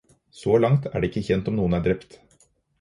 Så langt er det ikke kjent om noen er drept.